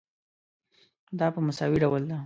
دا په مساوي ډول ده.